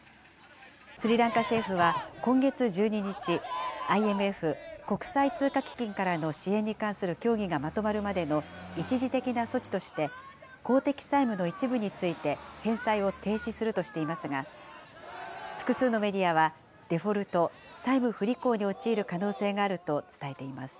スリランカ政府は今月１２日、ＩＭＦ・国際通貨基金からの支援に関する協議がまとまるまでの一時的な措置として、公的債務の一部について返済を停止するとしていますが、複数のメディアはデフォルト・債務不履行に陥る可能性があると伝えています。